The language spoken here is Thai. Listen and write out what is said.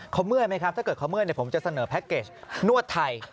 เขาเมื่อยไหมครับถ้าเกิดเขาเมื่อยผมจะเสนอแพ็คเกจนวดไทย